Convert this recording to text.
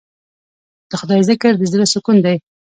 د خدای ذکر د زړه سکون دی.